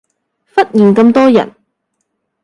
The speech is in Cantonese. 忽然咁多人